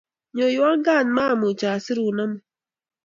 Nyoiwon kat, maamuch asirun amut.